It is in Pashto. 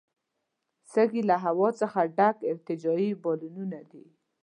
سږي له هوا څخه ډک ارتجاعي بالونونه دي.